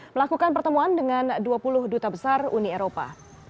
melakukan pertemuan dengan dua puluh duta besar uni eropa